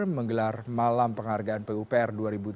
menggelar malam penghargaan pupr dua ribu tujuh belas